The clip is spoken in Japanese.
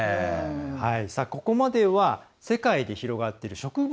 ここまでは世界で広がっている植物